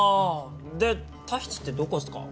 でタヒチってどこっすか？